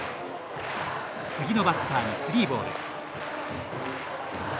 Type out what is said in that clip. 次のバッターにスリーボール。